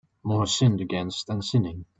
More sinned against than sinning